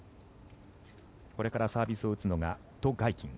これからサービスを打つのがト・ガイキン。